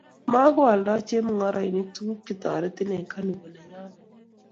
moku aldoo chemungoroini tukuk che terotin eng Carnival nenyoni.